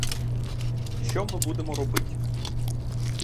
Що ми будемо робить?